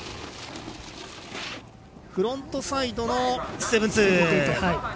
フロントサイドの７２０。